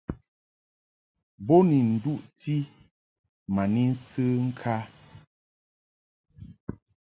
Bo ni nduʼti ma ni nsə ŋkǎ.